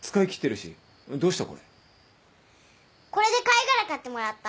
これで貝殻買ってもらった。